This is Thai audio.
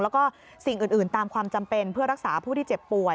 แล้วก็สิ่งอื่นตามความจำเป็นเพื่อรักษาผู้ที่เจ็บป่วย